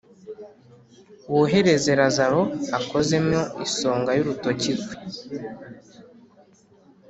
wohereze Lazaro akozemo isonga y’ urutoki rwe